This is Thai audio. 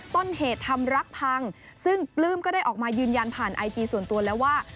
ต้นเหตุทำรักพังซึ่งปลื้มก็ได้ออกมายืนยันผ่านไอจีส่วนตัวแล้วว่า